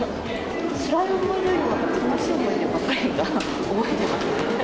つらい思い出よりも楽しい思い出ばっかり覚えてますね。